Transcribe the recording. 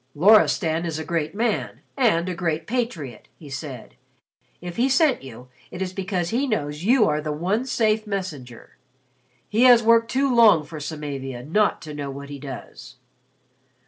"Loristan is a great man and a great patriot," he said. "If he sent you, it is because he knows you are the one safe messenger. He has worked too long for Samavia not to know what he does."